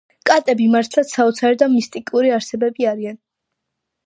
კატები მართლაც საოცარი და მისტიკური არსებები არიან